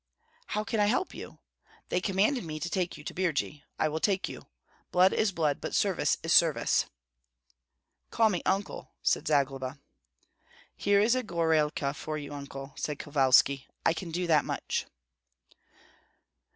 "How can I help you? They commanded me to take you to Birji; I will take you. Blood is blood, but service is service." "Call me Uncle," said Zagloba. "Here is gorailka for you, Uncle," said Kovalski; "I can do that much."